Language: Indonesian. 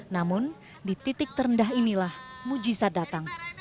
namun di titik terendah inilah mujisa datang